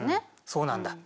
そうなんだ。